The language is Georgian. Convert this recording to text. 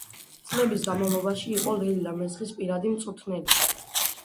წლების განმავლობაში იყო ლეილა მესხის პირადი მწვრთნელი.